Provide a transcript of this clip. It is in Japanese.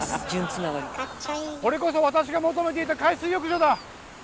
これこそ私が求めていた海水浴場だ！